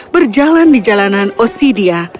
berjalan di jalanan ossidia